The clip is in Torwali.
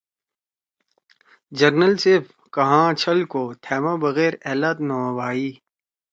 ”جرنیل صیب! کنگھا چھل کو، تھأما بغیر أ لات نہ ہوبھائی؟“